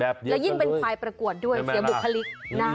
และยิ่งเป็นควายประกวดด้วยเสียบุคลิกนะ